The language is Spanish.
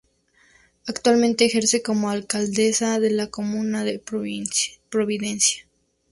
Actualmente ejerce como alcaldesa de la comuna de Providencia.